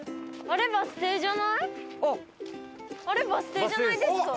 あれバス停じゃないですか？